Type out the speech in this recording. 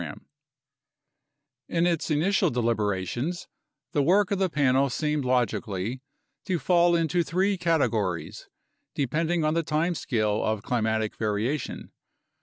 ix X UNDERSTANDING CLIMATIC CHANGE In its initial deliberations, the work of the Panel seemed logically to fall into three categories, depending on the time scale of climatic varia tion.